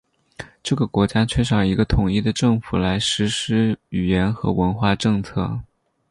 这个国家缺少一个统一的政府来实施语言和文化政策。